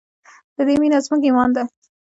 د دې مینه زموږ ایمان دی